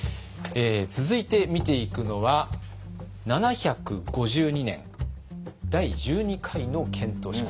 続いて見ていくのは７５２年第１２回の遣唐使。